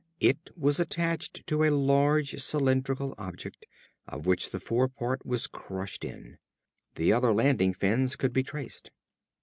It was attached to a large cylindrical object of which the fore part was crushed in. The other landing fins could be traced.